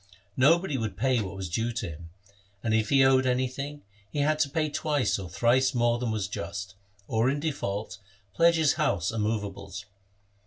No body would pay what was due to him ; and if he owed anything, he had to pay twice or thrice more than was just, or, in default, pledge his house and movables.